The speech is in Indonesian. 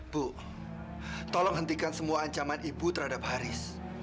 bu tolong hentikan semua ancaman ibu terhadap haris